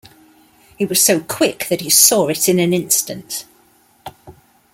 He was so quick that he saw it in an instant.